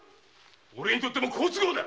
おれにとっても好都合だ。